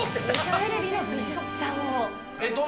テレビの美術さん。